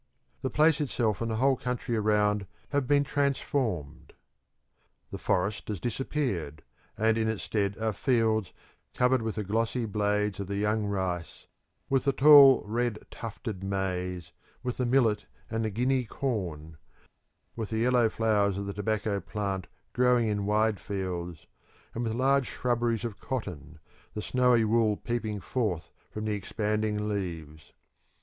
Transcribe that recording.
The place itself and the whole country around have been transformed. The forest has disappeared, and in its stead are fields covered with the glossy blades of the young rice, with the tall red tufted maize, with the millet and the Guinea corn, with the yellow flowers of the tobacco plant growing in wide fields, and with large shrubberies of cotton, the snowy wool peeping forth from the expanding leaves.